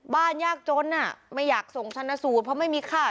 ยากจนไม่อยากส่งชนะสูตรเพราะไม่มีค่า